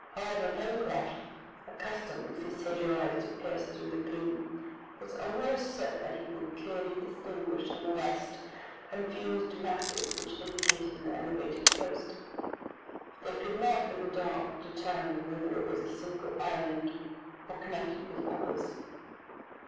However, Pencroft, accustomed with his sailor eyes to piece through the gloom, was almost certain that he could clearly distinguish in the west confused masses which indicated an elevated coast. But they could not in the dark determine whether it was a single island, or connected with others.